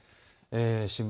新聞